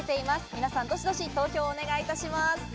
皆さんどしどし投票お願いいたします。